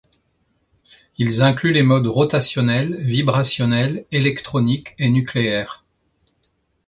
Ils incluent les modes rotationnels, vibrationnels, électroniques et nucléaires.